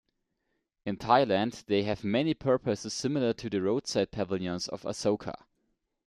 In Thailand, they have many purposes similar to the roadside pavilions of Asoka.